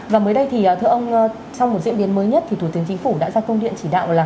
và mới đây thì thưa ông trong một diễn biến mới nhất thì thủ tướng chính phủ đã ra công điện trả lời cho các bạn